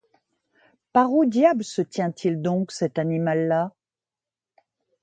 par où diable se tient-il donc, cet animal-là ?